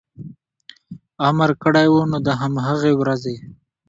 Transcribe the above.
امر کړی و، نو د هماغې ورځې